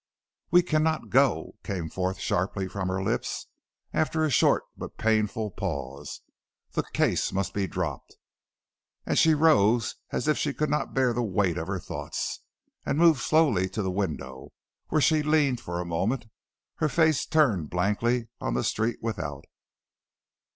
"We cannot go," came forth sharply from her lips, after a short but painful pause. "The case must be dropped." And she rose, as if she could not bear the weight of her thoughts, and moved slowly to the window, where she leaned for a moment, her face turned blankly on the street without.